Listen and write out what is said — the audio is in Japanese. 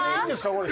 これ。